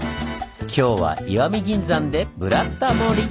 今日は石見銀山で「ブラタモリ」！